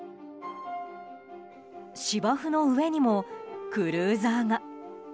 芝生の上にもクルーザーが。